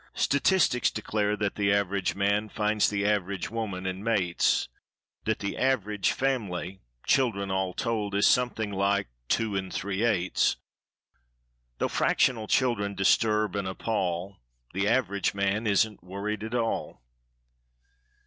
Statistics declare that the Average ManFinds the Average Woman and mates; That the Average Family, children all told, Is something like two and three eighths.(Though fractional children disturb and appal, The Average Man isn't worried at all.)